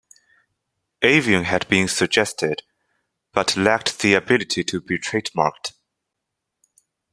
"Avion" had been suggested, but lacked the ability to be trademarked.